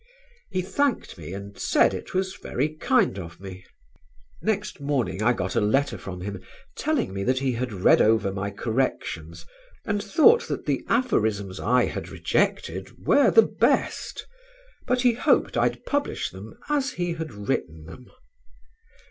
He thanked me and said it was very kind of me. Next morning I got a letter from him telling me that he had read over my corrections and thought that the aphorisms I had rejected were the best, but he hoped I'd publish them as he had written them.